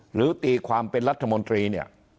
หรือตีความเป็นรัฐมนตรีเนี่ย